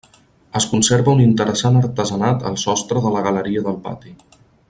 Es conserva un interessant artesanat al sostre de la galeria del pati.